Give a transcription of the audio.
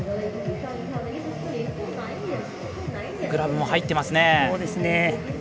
グラブも入ってますね。